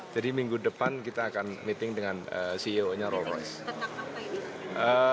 jadi minggu depan kita akan meeting dengan ceo nya rolls royce